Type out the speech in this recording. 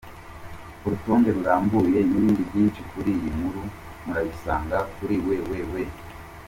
Urutonde rurambuye n’ibindi byinshi kuri iyi nkuru murabisanga kuri www.